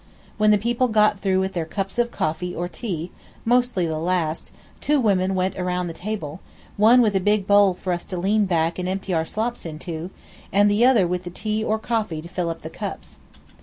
When the people got through with their cups of coffee or tea, mostly the last, two women went around the table, one with a big bowl for us to lean back and empty our slops into, and the other with the tea or coffee to fill up the cups.